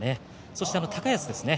そして高安ですね